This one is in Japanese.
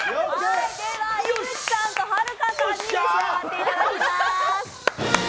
井口さんとはるかさんに召し上がっていただきます。